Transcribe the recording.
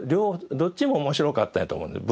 どっちも面白かったんやと思うんです